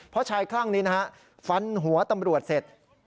เพราะชายคลั่งนี้นะฮะฟันหัวตำรวจเสร็จ